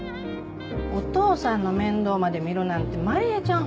お父さんの面倒まで見るなんて万里江ちゃん